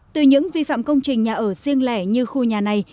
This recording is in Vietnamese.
từ những vi phạm công trình nhà ở riêng lẻ như khu nhà này